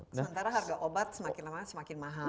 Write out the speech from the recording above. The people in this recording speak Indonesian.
sementara harga obat semakin lama semakin mahal